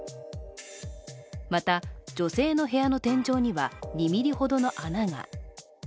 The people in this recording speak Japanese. また、女性の部屋の天井には２ｍｍほどの穴が。